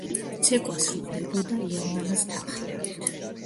ცეკვა სრულდებოდა „იავნანას“ თანხლებით.